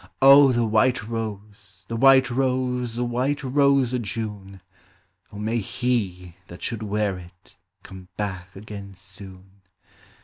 O the white rose, the white rose, the white rose o' June, O may ht that should wear it come back again sune